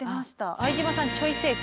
相島さんちょい正解。